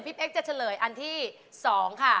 เป๊กจะเฉลยอันที่๒ค่ะ